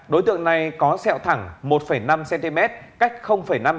đối tượng này có sẹo thẳng một năm cm cách năm cm trên sau đầu lông mày phải